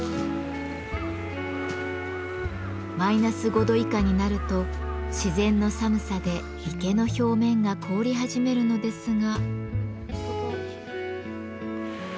マイナス５度以下になると自然の寒さで池の表面が凍り始めるのですが。